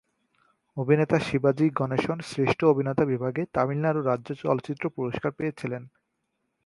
অভিনেতা শিবাজি গণেশন শ্রেষ্ঠ অভিনেতা বিভাগে তামিলনাড়ু রাজ্য চলচ্চিত্র পুরস্কার পেয়েছিলেন।